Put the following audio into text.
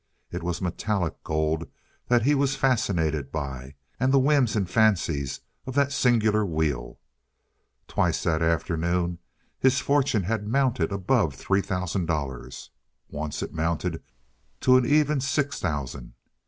It was metallic gold that he was fascinated by and the whims and fancies of that singular wheel. Twice that afternoon his fortune had mounted above three thousand dollars once it mounted to an even six thousand.